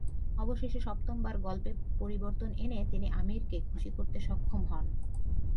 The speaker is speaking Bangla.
অবশেষে সপ্তমবার গল্পে পরিবর্তন এনে তিনি আমিরকে খুশি করতে সক্ষম হন।